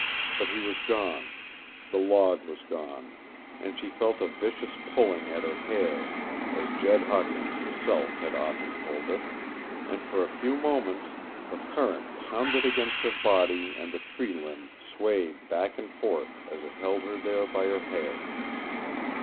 But he was gone, the log was gone, and she felt a vicious pulling at her hair, as Jed Hawkins himself had often pulled it, and for a few moments the current pounded against her body and the tree limb swayed back and forth as it held her there by her hair.